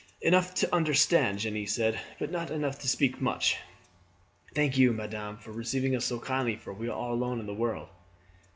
"Enough to understand," Jeanne said; "but not enough to speak much. Thank you, madame, for receiving us so kindly, for we are all alone in the world."